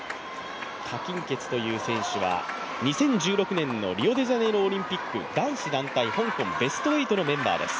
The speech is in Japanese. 何鈞傑という選手は２０１６年のリオデジャネイロオリンピック男子団体香港ベスト８のメンバーです。